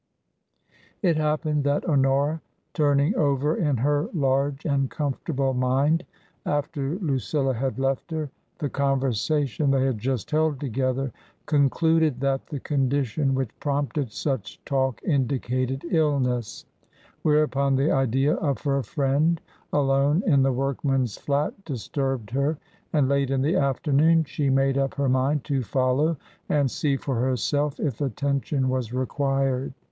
It happened that Honora, turning over in her large and comfortable mind, after Lucilla had left her, the con TRANSITION. 255 versation they had just held together, concluded that the condition which prompted such talk indicated illness; whereupon the idea of her friend alone in the workman's flat disturbed her, and late in the afternoon she made up her mind to follow and see for herself if attention was required.